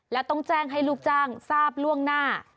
และต้องแจ้งให้ลูกจ้างทราบล่วงหน้า